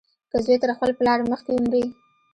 که زوى تر خپل پلار مخکې ومري.